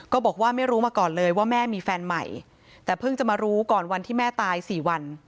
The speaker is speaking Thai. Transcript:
บอกว่าไม่รู้มาก่อนเลยว่าแม่มีแฟนใหม่แต่เพิ่งจะมารู้ก่อนวันที่แม่ตายสี่วัน